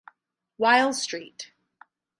While St.